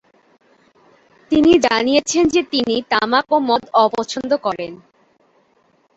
তিনি জানিয়েছেন যে তিনি তামাক ও মদ অপছন্দ করেন।